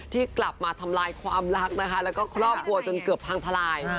ที่กลับมาทำลายความรักนะคะแล้วก็ครอบครัวจนเกือบพังทลาย